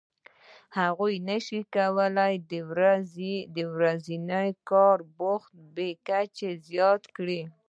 هغه نشي کولای د ورځني کار وخت بې کچې زیات کړي